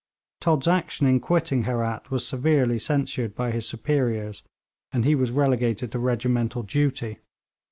Todd's action in quitting Herat was severely censured by his superiors, and he was relegated to regimental duty.